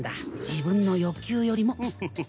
自分の欲求よりも。